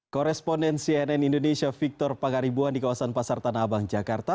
koresponden cnn indonesia victor pangaribuan di kawasan pasar tanah abang jakarta